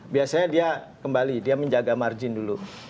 biasanya dia kembali dia menjaga margin dulu